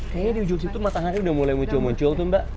kayaknya di ujung situ matahari udah mulai muncul muncul tuh mbak